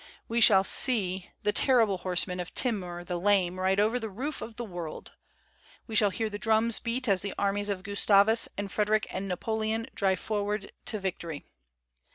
... We shall see the terrible horsemen of Timur the Lame ride over the roof of the world; we shall hear the drums beat as the armies of Gustavus and Frederick and Napoleon drive forward to victory.